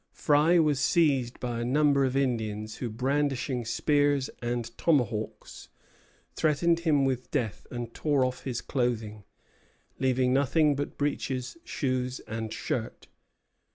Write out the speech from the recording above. Frye was seized by a number of Indians, who, brandishing spears and tomahawks, threatened him with death and tore off his clothing, leaving nothing but breeches, shoes, and shirt.